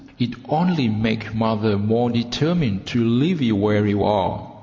It only makes mother more determined to leave you where you are.